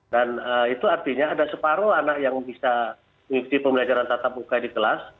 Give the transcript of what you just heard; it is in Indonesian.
dan itu artinya ada separoh anak yang bisa mengikuti pembelajaran tetap buka di kelas